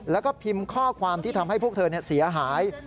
แล้วก็พิมพ์ข้อความที่ทำให้พวกเธอเสียหาย